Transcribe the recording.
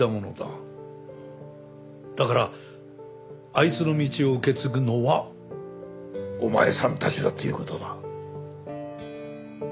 だからあいつの道を受け継ぐのはお前さんたちだという事だ。